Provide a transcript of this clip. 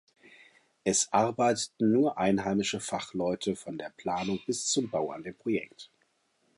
Es arbeiteten nur einheimische Fachleute von der Planung bis zum Bau an dem Projekt.